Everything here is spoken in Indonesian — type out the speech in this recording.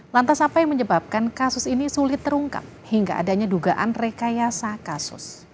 lantas apa yang menyebabkan kasus ini sulit terungkap hingga adanya dugaan rekayasa kasus